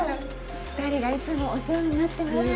２人がいつもお世話になってます。